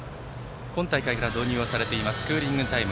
今大会から導入されているクーリングタイム。